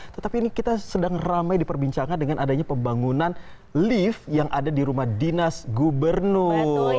tetapi ini kita sedang ramai diperbincangkan dengan adanya pembangunan lift yang ada di rumah dinas gubernur